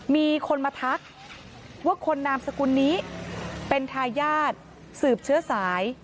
มีคนมาทักว่าคนนามสกุลนี้เป็นทายาทสืบเชื้อสาย